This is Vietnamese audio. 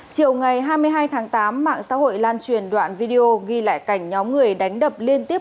chiều ngày hai mươi hai tháng tám mạng xã hội lan truyền đoạn video ghi lại cảnh nhóm người đánh đập liên tiếp